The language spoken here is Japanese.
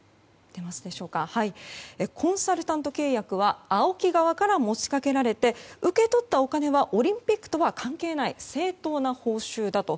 コンサルタント契約はＡＯＫＩ側から持ちかけられて受け取ったお金はオリンピックとは関係ない正当な報酬だと。